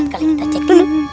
kalian kita cek dulu